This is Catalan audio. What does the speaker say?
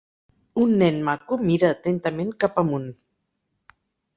Un nen maco mira atentament cap amunt.